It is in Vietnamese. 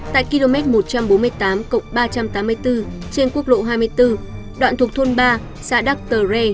tại km một trăm bốn mươi tám ba trăm tám mươi bốn trên quốc lộ hai mươi bốn đoạn thuộc thôn ba xã đắc tờ rê